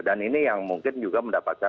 dan ini yang mungkin juga mendapatkan